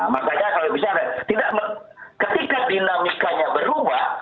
makanya kalau bisa ketika dinamikanya berubah